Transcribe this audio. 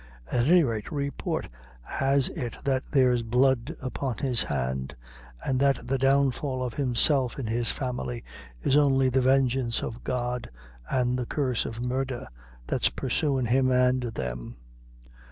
At any rate, report has it that there's blood upon his hand, an' that the downfall of himself and his family is only the vengeance of God, an' the curse of murdher that's pursuin' him and them."